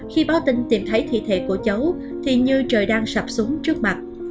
khi báo tin tìm thấy thi thể của cháu thì như trời đang sạp súng trước mặt